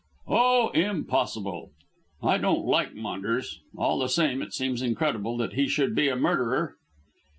"Oh, impossible! I don't like Maunders; all the same, it seems incredible that he should be a murderer."